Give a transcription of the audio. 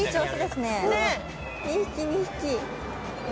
２匹、２匹！